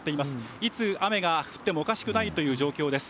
いつ雨が降ってもおかしくないという状況です。